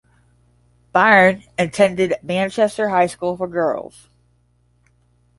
Byrne attended Manchester High School for Girls.